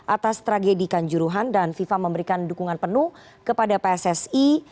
atas tragedi kanjuruhan dan fifa memberikan dukungan penuh kepada pssi